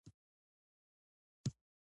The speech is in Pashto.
د انسان بدن له څومره حجرو څخه جوړ شوی دی